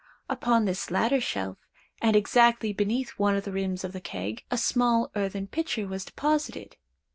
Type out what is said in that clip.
Upon this latter shelf, and exactly beneath one of the rims of the keg, a small earthern pitcher was deposited.